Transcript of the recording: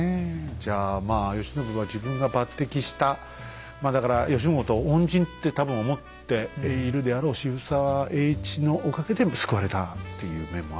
じゃあまあ慶喜は自分が抜てきしたまあだから慶喜のことを恩人って多分思っているであろう渋沢栄一のおかげで救われたっていう面もあるんだね。